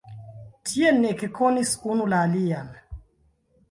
Tiel ni ekkonis unu la alian.